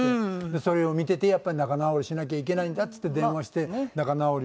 でそれを見ててやっぱり仲直りしなきゃいけないんだっつって電話して仲直りをしたり。